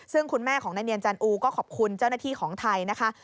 ซึ่งคุณแม่ของนายเนียนจันอูก็ขอบคุณเจ้าหน้าที่ของไทยนะคะ